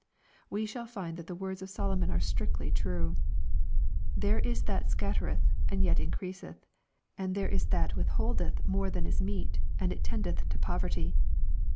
We shall find that the words of Solomon are strictly true :" There is that scattereth and yet increaseth : and there is that withholdeth more than is meet, and it tendeth to poverty."